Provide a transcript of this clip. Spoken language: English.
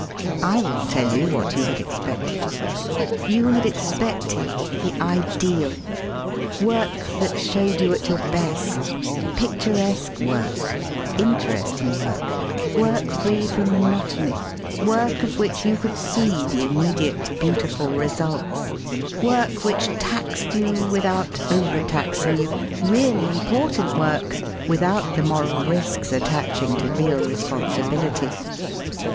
. I will tell you what you had expected. You had expected the ideal — work that showed you at your best, picturesque work, interesting work, work free from monr' ,iy, work of which you could see the immediate beautiful results, work 1 SOME AXIOMS ABOUT WAR WORK 29 which taxed you without overtaxing you, really important work without the moral risks attach ing to real responsibility.